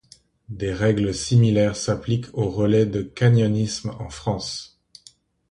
Des règles similaires s'appliquent aux relais de canyonisme en France.